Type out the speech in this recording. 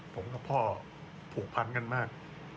ผมกับพ่อผูกพันกันมาก